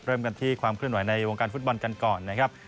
เริ่มกันที่ความเคลื่อนไหวในวงการฟุตบอลกันก่อนนะครับ